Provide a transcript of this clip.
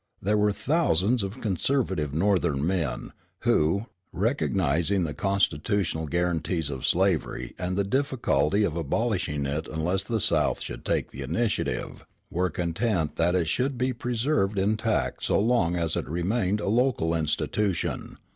There were thousands of conservative Northern men, who, recognizing the constitutional guarantees of slavery and the difficulty of abolishing it unless the South should take the initiative, were content that it should be preserved intact so long as it remained a local institution.